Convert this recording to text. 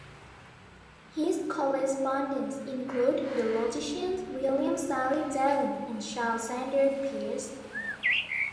His correspondents included the logicians William Stanley Jevons and Charles Sanders Peirce.